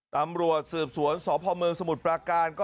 ตำรวจสืบสวนสอบประเมิงสมุดประการก็